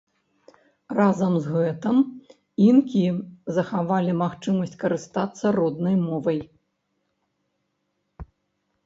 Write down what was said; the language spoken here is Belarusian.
Разам з гэтым, інкі захавалі магчымасць карыстацца роднай мовай.